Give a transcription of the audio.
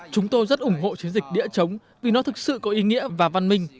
chúng tôi rất ủng hộ chiến dịch đĩa chống vì nó thực sự có ý nghĩa và văn minh